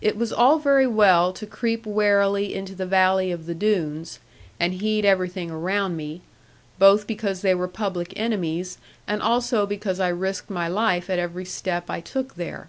It was all very well to creep warily into the valley of the Doones, and heed everything around me, both because they were public enemies, and also because I risked my life at every step I took there.